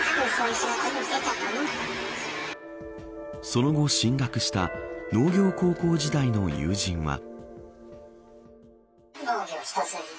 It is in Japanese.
その後、進学した農業高校時代の友人は。